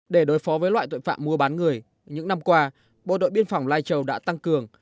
để đối phó với loại tội phạm mua bán người những năm qua bộ đội biên phòng lai châu đã tăng cường